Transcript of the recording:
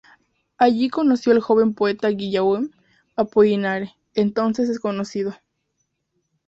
Allí conoció al joven poeta Guillaume Apollinaire, entonces desconocido.